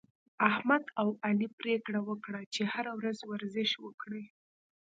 احمد او علي پرېکړه وکړه، چې هره ورځ ورزش وکړي